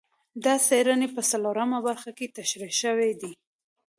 دا څېړنې په څلورمه برخه کې تشرېح شوي دي.